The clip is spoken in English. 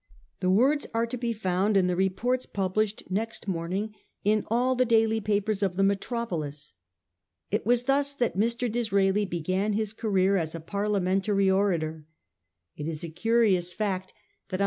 The words are to be found in the reports published next morning in all the daily papers of the metro polis. It was thus that Mr. Disraeli began his career as a Parliamentary orator. It is a curious fact that on 390 A HISTORY OF OUR OWN TIMES. cn.